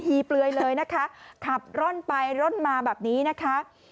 เปลือยเลยนะคะขับร่อนไปร่อนมาแบบนี้นะคะ